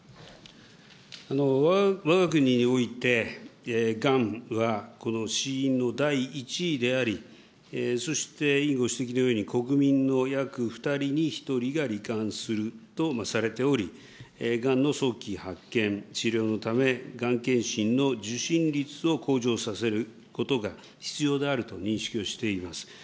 わが国において、がんはこの死因の第１位であり、そして委員ご指摘のように、国民の約２人に１人がり患するとされており、がんの早期発見、治療のため、がん検診の受診率を向上させることが必要であると認識をしています。